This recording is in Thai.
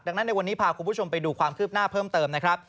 ดังนั้นในวันนี้พาคุณผู้ชมไปดูความคืบหน้าเพิ่มเติมนะครับ